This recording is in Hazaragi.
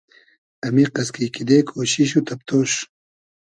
امیقئس کی کیدې کوشیش و تئبتۉش